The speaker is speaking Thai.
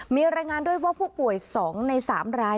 มีรายงานด้วยว่าผู้ป่วย๒ใน๓ราย